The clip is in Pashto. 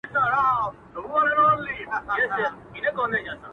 چوپتيا تر ټولو درنه ښکاري ډېر